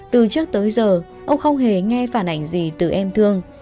từ trước tới giờ ông không hề nghe phản ảnh gì từ em thương